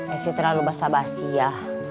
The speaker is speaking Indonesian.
esnya terlalu basah basih ya